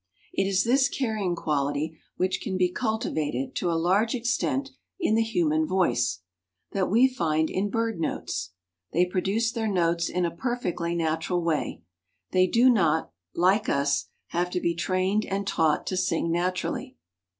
It is this carrying quality, which can be cultivated to a large extent in the human voice, that we find in bird notes. They produce their notes in a perfectly natural way. They do not, like us, have to be trained and taught to sing naturally.